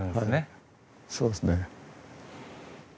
はいそうですね。